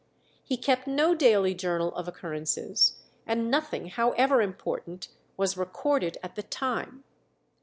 He kept no daily journal of occurrences, and nothing, however important, was recorded at the time.